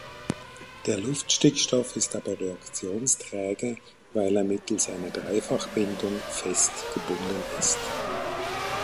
Der Luftstickstoff ist aber reaktionsträge, weil er mittels einer Dreifachbindung "fest" gebunden ist.